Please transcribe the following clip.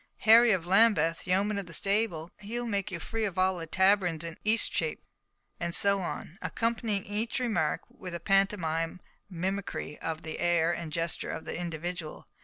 Harry of Lambeth, yeoman of the stable. He will make you free of all the taverns in Eastchepe." And so on, accompanying each remark with a pantomime mimicry of the air and gesture of the individual.